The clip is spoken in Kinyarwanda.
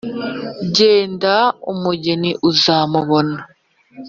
Genda umugeni uzamubona